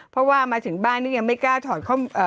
เพราะว่ามาถึงบ้านนี่ยังไม่กล้าถอด